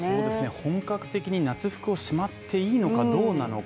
本格的に夏服をしまっていいのかどうなのか